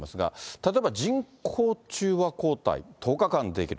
例えば人工中和抗体１０日間でできる。